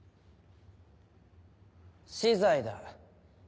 死罪だ。